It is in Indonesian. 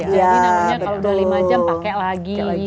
jadi namanya kalau sudah lima jam pakai lagi